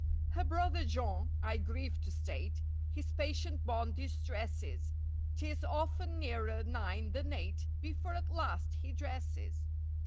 Her brother Jean—I grieve to state— His patient bonne distresses; 'Tis often nearer nine than eight Before at last he dresses.